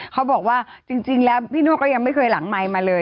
เขาบอกว่าจริงแล้วพี่นวดก็ยังไม่เคยหลังไมค์มาเลย